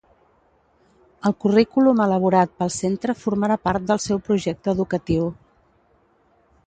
El currículum elaborat pel centre formarà part del seu projecte educatiu.